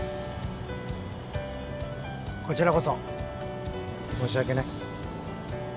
こちらこそ申し訳ない。